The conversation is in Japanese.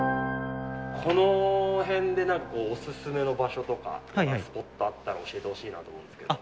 この辺で何かおすすめの場所とかスポットあったら教えてほしいなと思うんですけど。